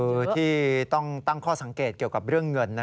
คือที่ต้องตั้งข้อสังเกตเกี่ยวกับเรื่องเงิน